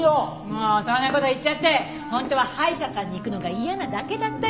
もうそんな事言っちゃって本当は歯医者さんに行くのが嫌なだけだったりして。